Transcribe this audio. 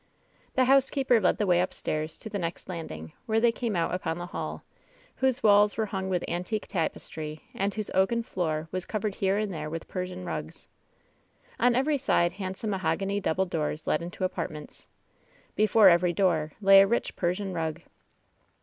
The housekeeper led the way upstairs to the next land ing, where they came out upon the hall, whose walls were himg with antique tapestry, and whose oaken floor was covered here and there with Persian rugs. On every side handsome mahogany double doors led into apartments. Before every door lay a rich Persian rug.